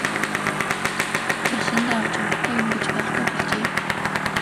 Одоо үед хүмүүс машиндаа авч явахгүй юм гэж байхгүй болжээ.